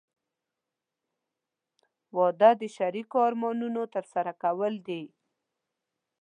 • واده د شریکو ارمانونو ترسره کول دي.